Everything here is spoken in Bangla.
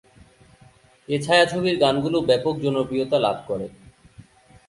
এ ছায়াছবির গানগুলো ব্যাপক জনপ্রিয়তা লাভ করে।